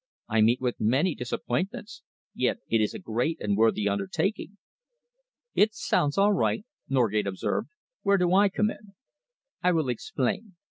I meet with many disappointments. Yet it is a great and worthy undertaking." "It sounds all right," Norgate observed. "Where do I come in?" "I will explain.